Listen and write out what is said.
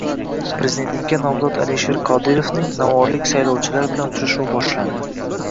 Prezidentlikka nomzod Alisher Qodirovning navoiylik saylovchilar bilan uchrashuvi boshlandi